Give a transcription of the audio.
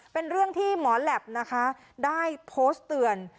เป็นเรื่องที่หมอแหลปนะคะได้โพสต์เตือน